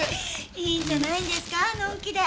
いいんじゃないんですかのんきで。